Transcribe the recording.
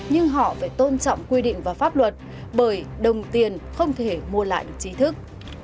nhưng họ phải tôn trọng quy định và pháp luật bởi đồng tiền không thể mua lại được trí thức